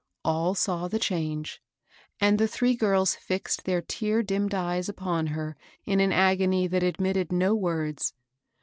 All saw the change ; and the three girls fixed their tear dimmed eyes upon her in an agony that admitted no words.